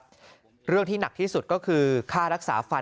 ต้องให้ลูกไปเบิกจากประกันสังคมและประกันรถมอเตอร์ไซค์ของเพื่อนลูกสาวไปพลางก่อนครับ